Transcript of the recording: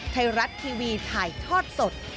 ไทยรัฐทีวีถ่ายทอดสด